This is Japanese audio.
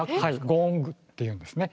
ゴングっていうんですね。